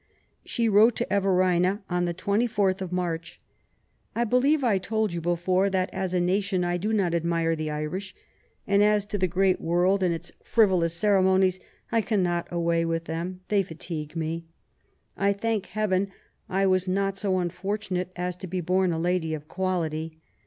She wrote to Everina on the 24th of March : I believe I told you before that as a nation I do not admire the Irish ; and as to the great world and its frivolous ceremonies, I can not away with them ; they fatigue me. I thank Heaven I was not so unfortunate as to be bom a lady of quality.